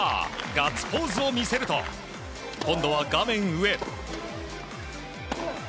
ガッツポーズを見せると今度は画面上。